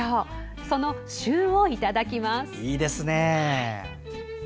その旬をいただきます。